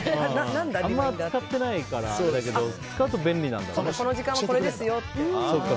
あんまり使ってないからあれだけど使うと便利なんだろうね。